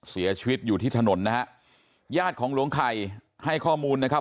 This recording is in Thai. เสียชีวิตอยู่ที่ถนนนะฮะญาติของหลวงไข่ให้ข้อมูลนะครับ